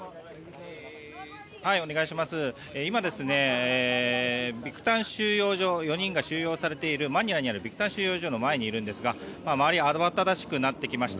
今、ビクタン収容所４人が収容されているマニラにあるビクタン収容所の前にいるんですが周りが慌ただしくなってきました。